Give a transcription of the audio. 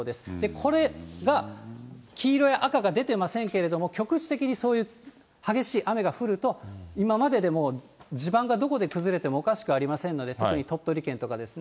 これが黄色や赤が出てませんけれども、局地的にそういう激しい雨が降ると、今まででもう地盤がどこで崩れてもおかしくありませんので、特に鳥取県とかですね。